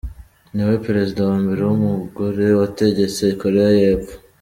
Ni we Perezida wa mbere w’umugore wategetse Koreya y’Epfo.